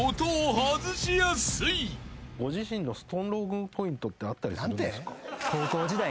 ご自身の「ストンログポイント」ってあったりするんですか？